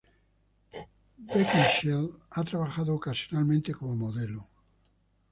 Beckinsale ha trabajado ocasionalmente como modelo.